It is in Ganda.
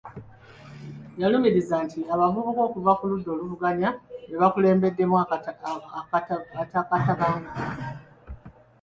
Yalumirizza nti abavubuka okuva ku ludda oluvuganya be baakulembeddemu akatanguko.